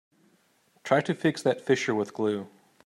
Try to fix that fissure with glue.